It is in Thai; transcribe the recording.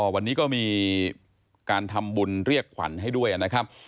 วันนี้ก็มีการทำบุญเรียกขวัญให้ด้วยนะครับ